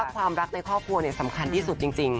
ความรักในครอบครัวสำคัญที่สุดจริง